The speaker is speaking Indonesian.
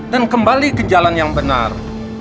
dan kembali ke jalan yang benar